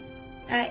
はい！